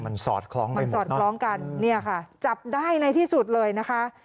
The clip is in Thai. มันสอดคล้องมันสอดคล้องกันเนี่ยค่ะจับได้ในที่สุดเลยนะคะ